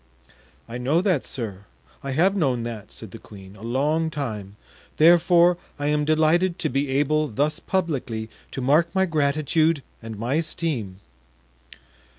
"I know that, sir; I have known that," said the queen, "a long time; therefore I am delighted to be able thus publicly to mark my gratitude and my esteem."